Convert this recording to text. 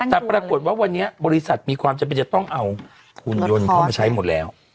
แต่ปรากฏว่าวันนี้บริษัทมีความจำเป็นจะต้องเอาหุ่นยนต์เข้ามาใช้หมดแล้ว